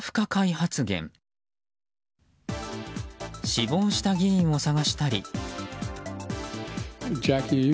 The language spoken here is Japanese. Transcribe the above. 死亡した議員を探したり。